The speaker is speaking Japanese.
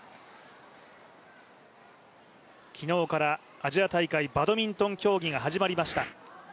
昨日からアジア大会バドミントン競技が始まりました。